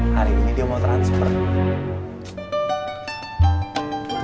hari ini dia mau transfer